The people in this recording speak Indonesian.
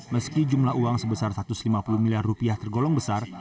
meski jumlah uang sebesar satu ratus lima puluh miliar rupiah tergolong besar